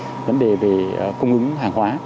đấy là những vấn đề về cung ứng hàng hóa